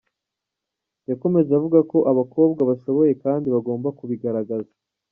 Yakomeje avuga ko abakobwa bashoboye kandi bagomba kubigaragaza.